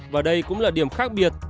và đây cũng là điểm khác biệt